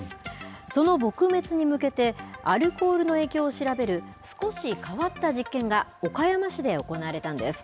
その撲滅に向けてアルコールの影響を調べる少し変わった実験が岡山市で行われたんです。